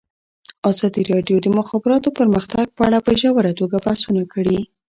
ازادي راډیو د د مخابراتو پرمختګ په اړه په ژوره توګه بحثونه کړي.